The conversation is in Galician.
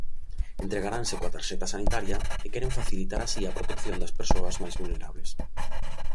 Entregaranse coa tarxeta sanitaria e queren facilitar así a protección das persoas máis vulnerables.